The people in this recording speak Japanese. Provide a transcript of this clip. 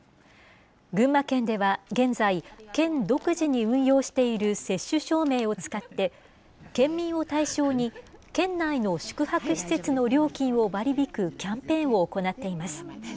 群馬県では現在、県独自に運用している接種証明を使って、県民を対象に県内の宿泊施設の料金を割り引くキャンペーンを行っています。